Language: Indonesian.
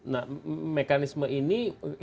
nah mekanisme ini